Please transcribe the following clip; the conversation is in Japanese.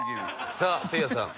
さあせいやさん。